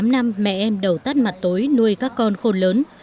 một mươi tám năm mẹ em đầu tắt mặt tối nuôi các con khôn lớn